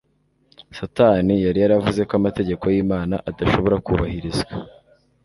Satani yari yavuze ko amategeko y'Imana adashobora kubahirizwa,